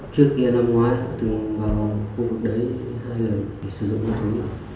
trước kia năm ngoái từng vào khu vực đấy hai lần để sử dụng nạn nhân